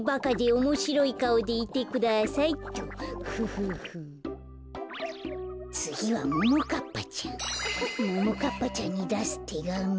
ももかっぱちゃんにだすてがみ。